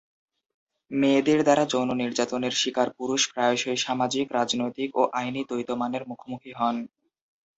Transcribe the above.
মেয়েদের দ্বারা যৌন নির্যাতনের শিকার পুরুষ প্রায়শই সামাজিক, রাজনৈতিক এবং আইনি দ্বৈত মানের মুখোমুখি হন।